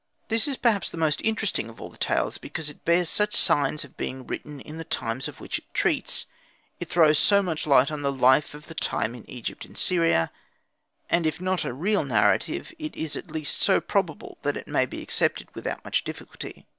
This is perhaps the most interesting of all the tales, because it bears such signs of being written in the times of which it treats, it throws so much light on the life of the time in Egypt and Syria, and if not a real narrative, it is at least so probable that it may be accepted without much difficulty.